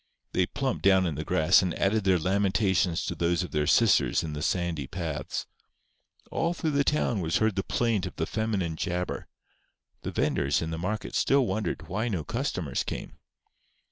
They plumped down in the grass, and added their lamentations to those of their sisters in the sandy paths. All through the town was heard the plaint of the feminine jabber. The venders in the market still wondered why no customers came.